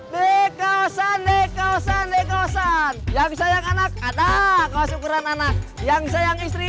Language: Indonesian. di kawasan di kawasan di kawasan yang sayang anak ada kau syukuran anak yang sayang istri